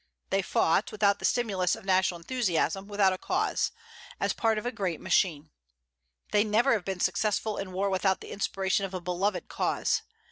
They fought, without the stimulus of national enthusiasm, without a cause, as part of a great machine. They never have been successful in war without the inspiration of a beloved cause.